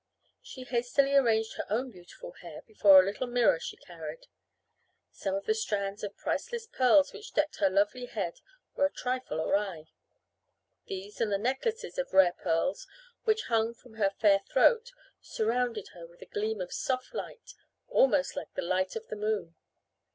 She hastily arranged her own beautiful hair before a little mirror she carried. Some of the strands of priceless pearls which decked her lovely head were a trifle awry. These and the necklaces of rare pearls which hung about her fair throat surrounded her with a gleam of soft light almost like the light of the moon.